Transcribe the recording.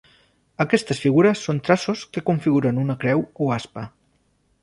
Aquestes figures són traços que configuren una creu o aspa.